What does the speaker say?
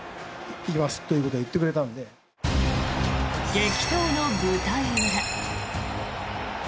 激闘の舞台裏。